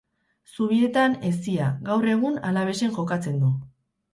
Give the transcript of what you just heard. Zubietan hezia, gaur egun Alavesen jokatzen du.